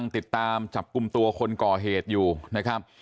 ติดตามจับกลุ่มตัวคนก่อเหตุอยู่นะครับ